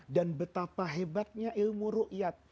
dan betapa hebatnya ilmu ruqyah